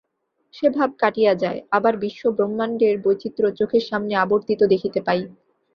সে-ভাব কাটিয়া যায়, আবার বিশ্ব-ব্রহ্মাণ্ডের বৈচিত্র্য চোখের সামনে আবর্তিত দেখিতে পাই।